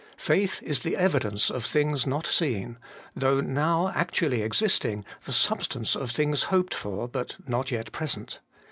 Faith is the evidence of things not seen, though now actually existing, the substance of things hoped for, but not yet present.